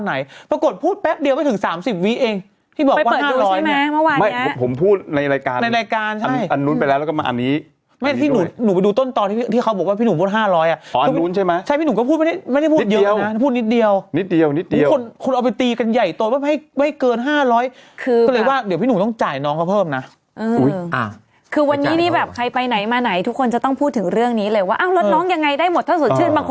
ใหญ่มากเลยเนาะอยู่ในมุมกันเลยเอ้าไปอีกเรื่องหนึ่งนะฮะ